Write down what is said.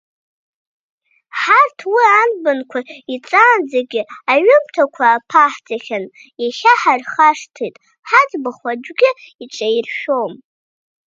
Ҳарҭ уи анбанқәа иҵаанӡагьы аҩымҭақәа аԥаҳҵахьан, иахьа ҳархашҭит, ҳаӡбахә аӡәгьы иҿаиршәом.